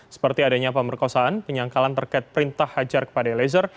seperti adanya pemerkosaan penyangkalan terkait perintah hajar kepada eliezer